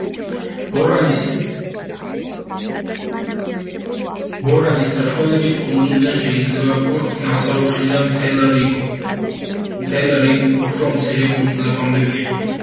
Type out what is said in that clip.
ბორანის საშუალებით კუნძულიდან შეიძლება პორტ მასაუაში და მთელ რიგ უფრო მცირე კუნძულებამდე მისვლა.